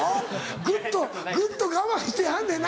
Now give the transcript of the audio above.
グッとグッと我慢してはんねんな